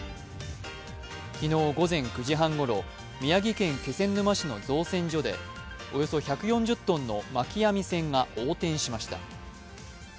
昨日午前９時半ごろ、宮城県気仙沼市の造船所でおよそ１４０ｔの巻き網船が横転しました。